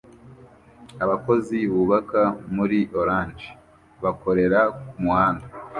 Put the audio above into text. Abakozi bubaka muri orange bakorera kumuhanda